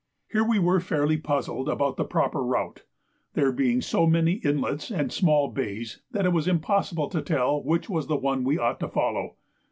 Here we were fairly puzzled about the proper route, there being so many inlets and small bays that it was impossible to tell which was the one we ought to follow.